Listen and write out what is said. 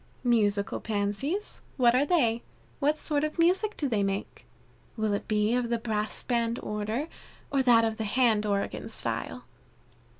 "Musical Pansies! what are they? What sort of music do they make? Will it be of the Brass Band order, or that of the hand organ style?"